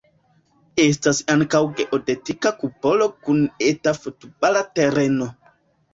Estas ankaŭ geodetika kupolo kun eta futbala tereno.